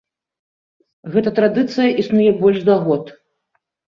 Гэта традыцыя існуе больш за год.